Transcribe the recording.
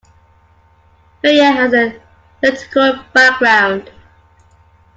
Ferrer has a theatrical background.